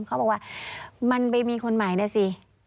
เขาบอกว่ามันไปมีคนใหม่นะสิ